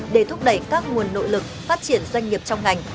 để thúc đẩy các nguồn nội lực phát triển doanh nghiệp trong ngành